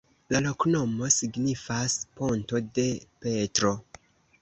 La loknomo signifas: ponto de Petro.